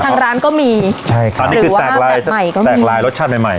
ทางร้านก็มีใช่ครับอันนี้คือแตกลายใหม่ก็แตกลายรสชาติใหม่ใหม่